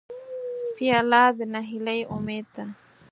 پیاله د نهیلۍ امید ده.